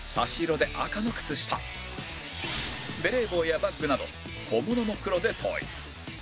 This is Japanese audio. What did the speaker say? ベレー帽やバッグなど小物も黒で統一